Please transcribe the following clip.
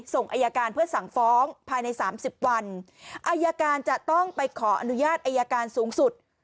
ส่งอายการเพื่อสั่งฟ้องภายในสามสิบวันอายการจะต้องไปขออนุญาตอายการสูงสุด